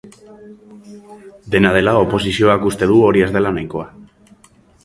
Dena dela, oposizioak uste du hori ez dela nahikoa.